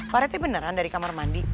pak rete beneran dari kamar mandi